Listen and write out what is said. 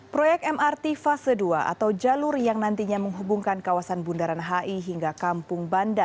proyek mrt fase dua atau jalur yang nantinya menghubungkan kawasan bundaran hi hingga kampung banda